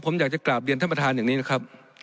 ผมอยากจะกราบเรียนท่านประธานอย่างนี้นะครับ